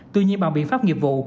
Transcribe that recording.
tuy nhiên bằng biện pháp nghiệp vụ